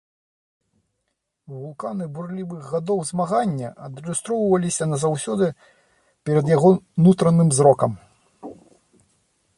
Вулканы бурлівых гадоў змагання адлюстроўваліся назаўсёды перад яго нутраным зрокам.